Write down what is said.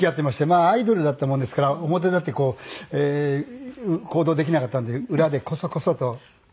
まあアイドルだったもんですから表立って行動できなかったんで裏でコソコソとはい。